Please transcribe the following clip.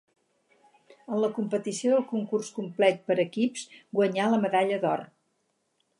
En la competició del concurs complet per equips guanyà la medalla d'or.